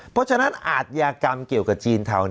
เพราะฉะนั้นอาทยากรรมเกี่ยวกับจีนเทา